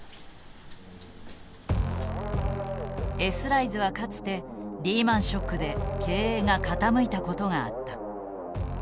Ｓライズはかつてリーマン・ショックで経営が傾いたことがあった。